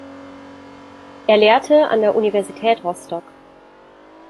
Er lehrte an der Universität Rostock.